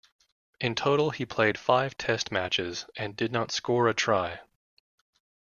In total he played five test matches and did not score a try.